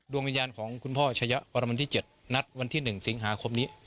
วิญญาณของคุณพ่อชะยะปรมที่๗นัดวันที่๑สิงหาคมนี้